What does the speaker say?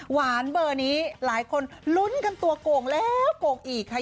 เบอร์นี้หลายคนลุ้นกันตัวโก่งแล้วโกงอีกค่ะ